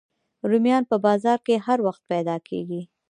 رومیان په بازار کې هر وخت پیدا کېږي